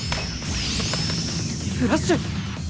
フラッシュ！？